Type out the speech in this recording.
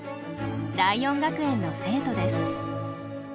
ライオン学園の生徒です。